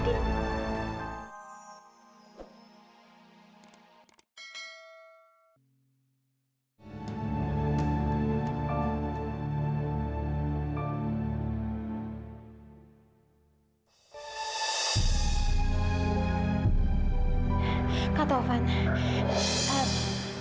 karena katofan gak mengerti